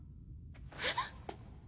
えっ。